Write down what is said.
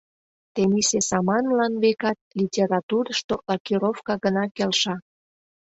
Тенийсе саманлан, векат, литературышто лакировка гына келша.